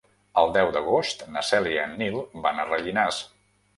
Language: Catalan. El deu d'agost na Cèlia i en Nil van a Rellinars.